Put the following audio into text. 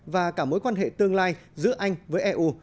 và cả mối quan hệ tương lai giữa anh với eu